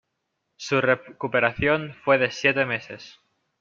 Su recuperación fue de siete meses.